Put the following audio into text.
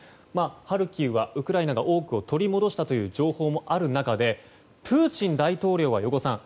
ハルキウはウクライナが多くを取り戻したという情報もある中でプーチン大統領は、余語さん